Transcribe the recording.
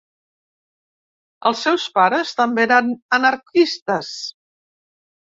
Els seus pares també eren anarquistes.